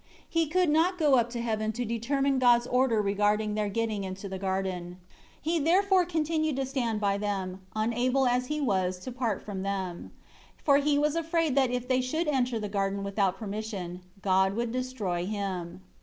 7 He could not go up to Heaven to determine God's order regarding their getting into the garden; he therefore continued to stand by them, unable as he was to part from them; for he was afraid that if they should enter the garden without permission, God would destroy him.